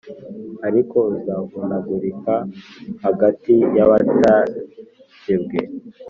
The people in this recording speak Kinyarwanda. Ariko uzavunagurikira hagati y abatakebwe